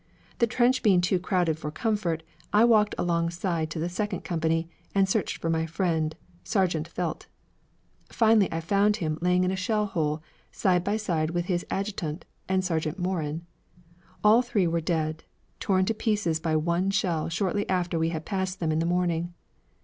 The trench being too crowded for comfort, I walked alongside to the second company, and searched for my friend, Sergeant Velte. Finally I found him lying in a shell hole, side by side with his adjutant and Sergeant Morin. All three were dead, torn to pieces by one shell shortly after we had passed them in the morning.